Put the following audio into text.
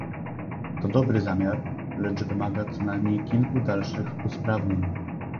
To dobry zamiar, lecz wymaga co najmniej kilku dalszych usprawnień